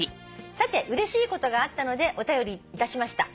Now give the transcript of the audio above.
「さてうれしいことがあったのでお便りいたしました」